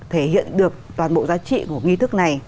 thể hiện được toàn bộ giá trị của nghi thức này